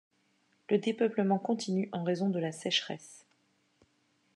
Le dépeuplement continue, en raison de la sécheresse.